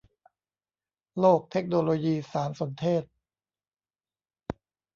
โลกเทคโนโลยีสารสนเทศ